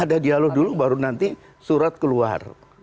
ada dialog dulu baru nanti surat keluar